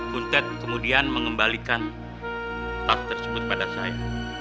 buntet kemudian mengembalikan tas tersebut pada saya